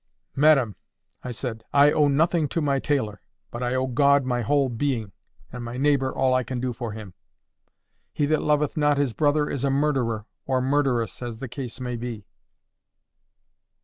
"Madam," I said, "I owe nothing to my tailor. But I owe God my whole being, and my neighbour all I can do for him. 'He that loveth not his brother is a murderer,' or murderess, as the case may be."